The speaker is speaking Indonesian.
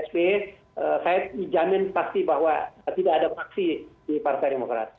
saya jamin pasti bahwa tidak ada fraksi di partai demokrat